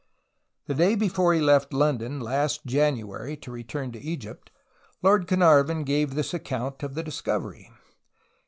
The day before he left London last January to return to Egypt Lord Carnarvon gave this account of the discovery.